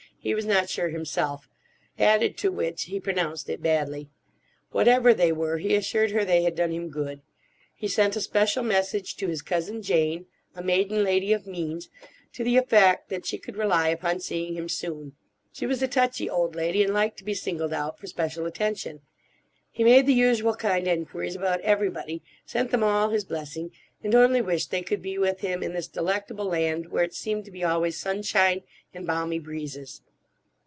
He was not sure himself: added to which he pronounced it badly. Whatever they were, he assured her they had done him good. He sent a special message to his Cousin Jane—a maiden lady of means—to the effect that she could rely upon seeing him soon. She was a touchy old lady, and liked to be singled out for special attention. He made the usual kind enquiries about everybody, sent them all his blessing, and only wished they could be with him in this delectable land where it seemed to be always sunshine and balmy breezes.